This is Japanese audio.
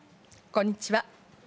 こんにちは。